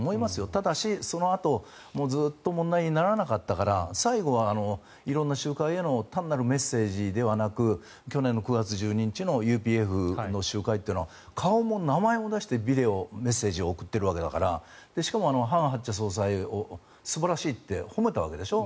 ただし、そのあとずっと問題にならなかったから最後は色んな集会への単なるメッセージではなく去年の９月１２日のＵＰＦの集会では顔も名前も出してビデオメッセージを送っているわけだからしかもハン・ハクチャ総裁素晴らしいって褒めたわけでしょ。